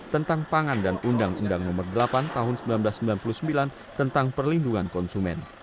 tentang pangan dan undang undang nomor delapan tahun seribu sembilan ratus sembilan puluh sembilan tentang perlindungan konsumen